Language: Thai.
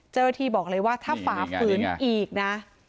เจ้าหน้าที่บอกเลยว่าถ้าฝ่าฝืนอีกนะ